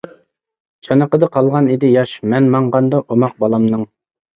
چانىقىدا قالغان ئىدى ياش، مەن ماڭغاندا ئوماق بالامنىڭ.